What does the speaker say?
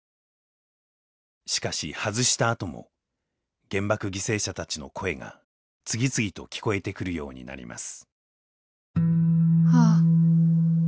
しかし外したあとも原爆犠牲者たちの声が次々と聞こえてくるようになります。